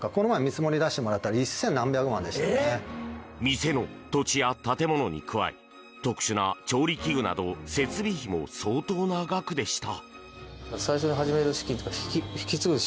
店の土地や建物に加え特殊な調理器具など設備費も相当な額でした。